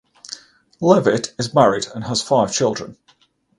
Leavitt is married and has five children.